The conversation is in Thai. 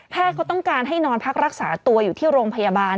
เขาต้องการให้นอนพักรักษาตัวอยู่ที่โรงพยาบาล